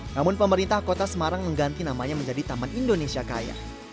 namun pemerintah kota semarang mengganti namanya menjadi taman indonesia kaya